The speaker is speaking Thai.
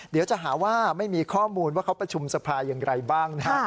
เดี๋ยวจะหาว่าไม่มีข้อมูลว่าเขาประชุมสภาอย่างไรบ้างนะฮะ